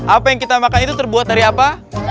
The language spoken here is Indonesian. apa yang kita makan itu terbuat dari apa